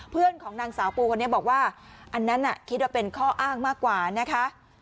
เพื่อนของนางสาวปูคนนี้บอกว่าอันนั้นคิดว่าเป็นข้ออ้างมากกว่านะคะ